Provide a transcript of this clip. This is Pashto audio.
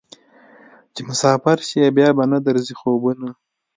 چې مسافر شې بیا به نه درځي خوبونه